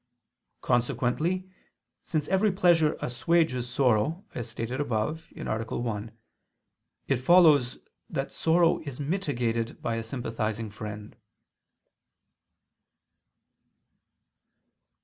Consequently, since every pleasure assuages sorrow, as stated above (A. 1), it follows that sorrow is mitigated by a sympathizing friend.